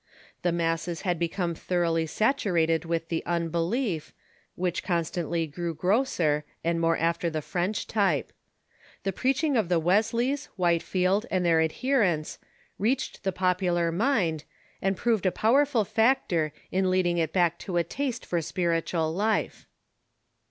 The masses had become thoroughly saturated with the unbelief, which con stantly grew grosser, and more after the French type. The preaching of the Wesleys, Whitefield, and their adherents, reached the popular mind, and proved a powerful factor in leading it back to a taste for spiritual life.